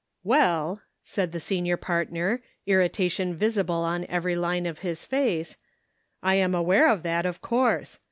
ELL," said the senior partner, irritation visible on every line of his face, "I am aware of that, of course.